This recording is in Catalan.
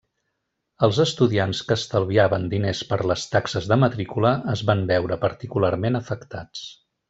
Els estudiants que estalviaven diners per les taxes de matrícula es van veure particularment afectats.